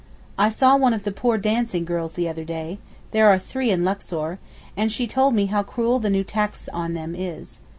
I saw one of the poor dancing girls the other day, (there are three in Luxor) and she told me how cruel the new tax on them is.